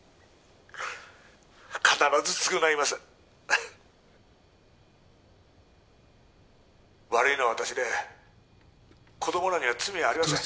必ず償います悪いのは私で子供らには罪はありません